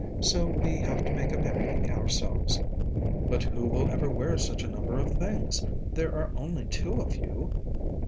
So we have to make up everything ourselves." "But who will ever wear such a number of things? There are only two of you?"